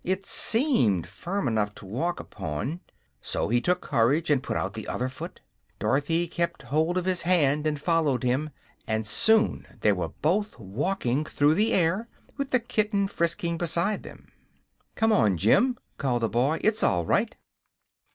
It seemed firm enough to walk upon, so he took courage and put out the other foot. Dorothy kept hold of his hand and followed him, and soon they were both walking through the air, with the kitten frisking beside them. "Come on, Jim!" called the boy. "It's all right."